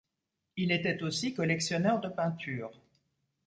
Il était aussi collectionneur de peintures.